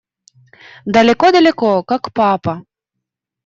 Далеко-далеко, как папа.